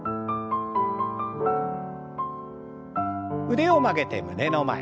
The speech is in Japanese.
腕を曲げて胸の前。